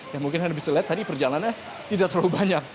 yang mungkin anda bisa lihat tadi perjalanannya tidak terlalu banyak